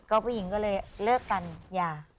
เกาปุ่นหญิงก็เลยเลิกกันยาง